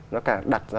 nó càng đặt ra